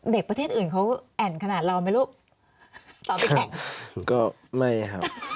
เด็กประเทศอื่นเขาแอ่นขนาดเราไหมลูกตอบไปแข่ง